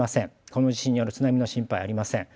この地震による津波の心配ありません。